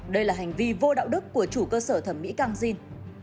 đây là hành vi vô đạo đức của chủ cơ sở thẩm mỹ cang jin